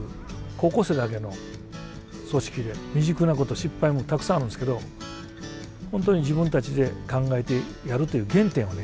高校生だけの組織で未熟なこと失敗もたくさんあるんですけど本当に自分たちで考えてやるという原点をね